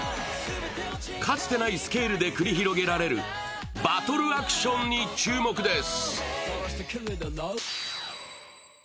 かつてないスケールで繰り広げられるバトルアクションに注目です。